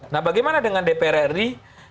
nah bagaimana dengan dprri